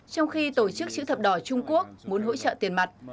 trong khi tổ chức chữ thập đỏ trung quốc muốn hỗ trợ tiền mặt